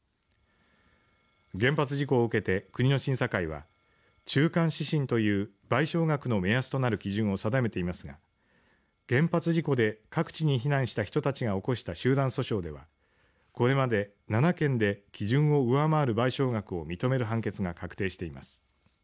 原発事故を受けて、国の審査会は中間指針という賠償額の目安となる基準を定めていますが原発事故で各地に避難した人たちが起こした集団訴訟ではこれまで７件で基準を上回る賠償額を認める判決が確定しています。